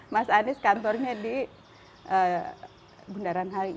mas anies kantornya di bundaran hi